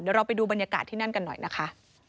เดี๋ยวเราไปดูบรรยากาศที่นั่นกันหน่อยนะคะ